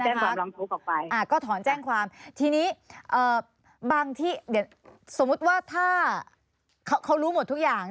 ถอนแจ้งความรองทุกออกไปนะครับทีนี้บางที่เดี๋ยวสมมติว่าถ้าเขารู้หมดทุกอย่าง